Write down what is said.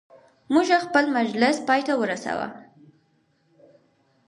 موږ خپل مجلس پایته ورساوه.